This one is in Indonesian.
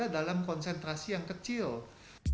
ada juga kandungan glicin yang membutuhkan peradangan di tubuh kita